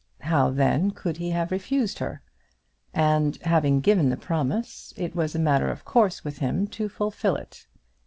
How then could he have refused her? And, having given the promise, it was a matter of course with him to fulfil it.